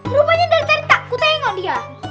rupanya dari tadi takut tengok dia